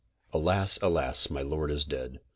Alas! alas! my lord is dead!